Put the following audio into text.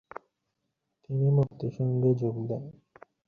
Comanche, dagger one বলছি।